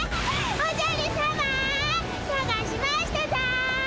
おじゃるさまさがしましたぞ！